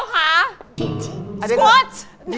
กวาส